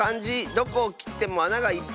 どこをきってもあながいっぱい。